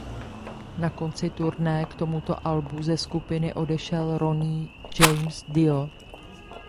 Na konci turné k tomuto albu ze skupiny odešel Ronnie James Dio.